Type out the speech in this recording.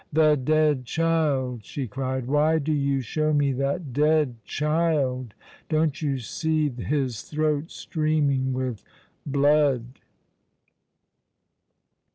*' The dead child !" she cried. '• Why do you show mo that dead child ? Don't you see his throat streaming with blood